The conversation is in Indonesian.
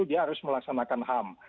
dia harus melaksanakan ham